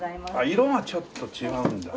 色がちょっと違うんだな。